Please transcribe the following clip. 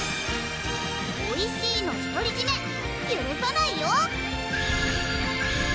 おいしいの独り占めゆるさないよ！